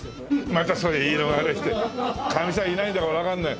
またそういう言い逃れしてかみさんいないんだからわかんない。